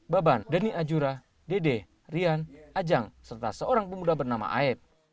baban deni ajura dede rian ajang serta seorang pemuda bernama aib